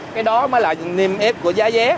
cái đó mới là niêm yết của giá vé